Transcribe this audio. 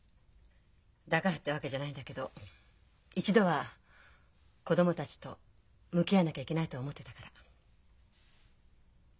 だからってわけじゃないんだけど一度は子供たちと向き合わなきゃいけないとは思ってたから。